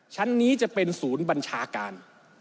ชั้นนี้จะเป็นศูนย์บัญชาการ